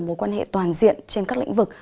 mối quan hệ toàn diện trên các lĩnh vực